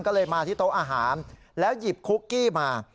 ก็เลยมาที่โต๊ะอาหารแล้วหยิบคุกกี้มา